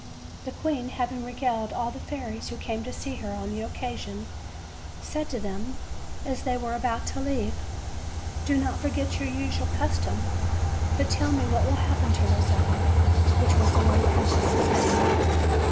The queen, having regaled all the fairies who came to see her on the occasion, said to them as they were about to leave: "Do not forget your usual custom, but tell me what will hap pen to Rosetta," which was the little princess' name.